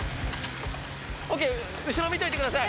後ろ見といてください。